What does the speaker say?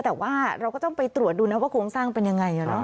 แต่ว่าเราก็ต้องไปตรวจดูนะว่าโครงสร้างเป็นยังไง